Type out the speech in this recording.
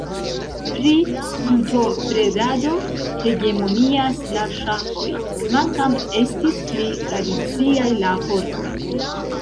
Pri brutobredado hegemonias la ŝafoj, kvankam estis pli tradiciaj la porkoj.